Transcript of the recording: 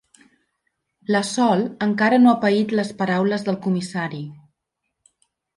La Sol encara no ha paït les paraules del comissari.